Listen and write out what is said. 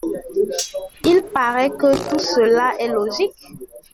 Il paraît que tout cela est logique.